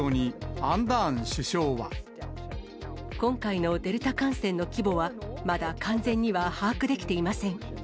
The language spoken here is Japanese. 今回のデルタ感染の規模は、まだ完全には把握できていません。